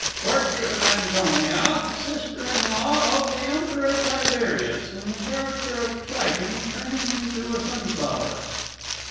"Portrait of Antonia, sister in law of the Emperor Tiberius, in the character of Clytie turning into a sunflower."